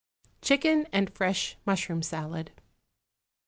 =Chicken and Fresh Mushroom Salad.